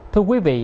thưa quý vị